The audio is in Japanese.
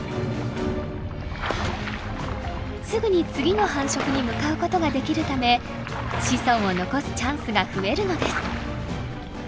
すぐに次の繁殖に向かうことができるため子孫を残すチャンスが増えるのです。